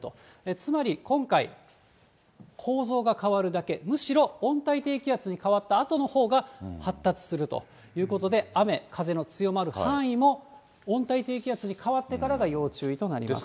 つまり今回、構造が変わるだけ、むしろ、温帯低気圧に変わったあとのほうが、発達するということで、雨、風の強まる範囲も温帯低気圧に変わってからが要注意となります。